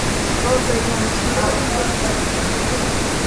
ველზე ია ამოსულიყო და მზეს შესცქეროდა.